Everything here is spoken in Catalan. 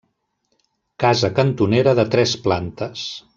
Casa cantonera de tres plantes.